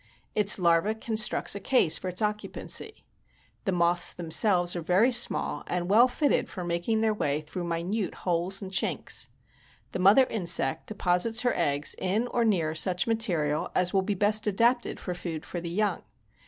Its larva constructs a case for its occupancy. The moths themselves are very small and well fitted for making their way through minute holes and chinks. The mother insect deposits her eggs in or near such material as will be best adapted for food for the young.